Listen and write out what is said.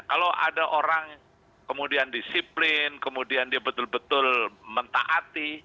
kalau ada orang kemudian disiplin kemudian dia betul betul mentaati